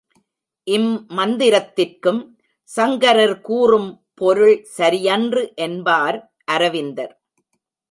இம்மந்திரத்திற்கும் சங்கரர் கூறும் பொருள் சரியன்று என்பார் அரவிந்தர்.